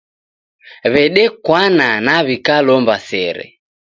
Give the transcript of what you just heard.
W'edekwana na w'ikalomba sere.